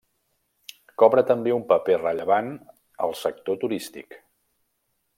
Cobra també un paper rellevant el sector turístic.